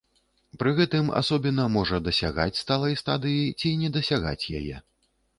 Пры гэтым асобіна можа дасягаць сталай стадыі ці не дасягаць яе.